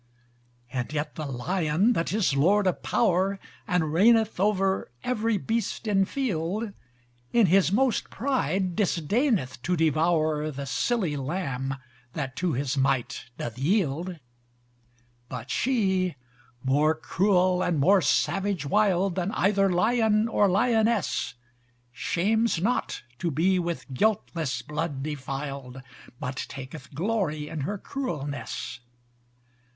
And yet the lion that is lord of power, And reighneth over every beast in field, In his most pride disdaineth to devour The silly lamb that to his might doth yield. But she more cruel and more savage wild, Then either lion or lioness: Shames not to be with guiltless blood defiled, But taketh glory in her cruelness.